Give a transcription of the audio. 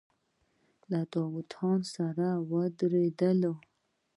له داوود خان سره ودرېدل.